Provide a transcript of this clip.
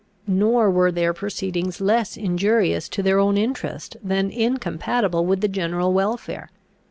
Nor were their proceedings less injurious to their own interest than incompatible with the general welfare.